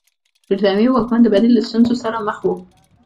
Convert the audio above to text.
برېټانوي واکمنان د بدیل له ستونزې سره مخ وو.